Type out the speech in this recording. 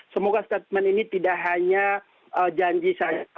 semoga statement ini tidak hanya janji saja